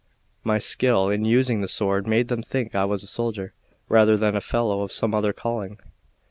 My skill in using the sword made them think I was a soldier rather than a fellow of some other calling.